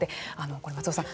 これ、松尾さん